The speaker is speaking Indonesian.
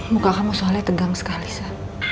muka kamu soalnya tegang sekali saya